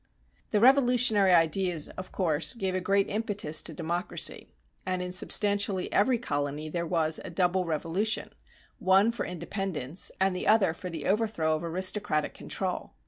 The Revolutionary ideas, of course, gave a great impetus to democracy, and in substantially every colony there was a double revolution, one for independence and the other for the overthrow of aristocratic control.